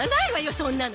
そんなの